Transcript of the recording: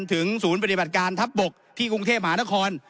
ศูนย์ปฏิบัติการทัพบกที่กรุงเทพมหานคร